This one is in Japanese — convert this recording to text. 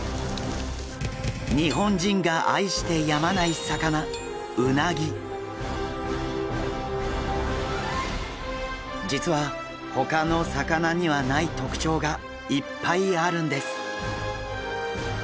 日本人が愛してやまない魚実はほかの魚にはない特徴がいっぱいあるんです。